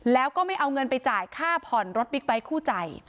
แล้วก็ไม่เอาเงินไปจ่ายค่าผ่อนรถบิ๊กไบท์คู่ใจ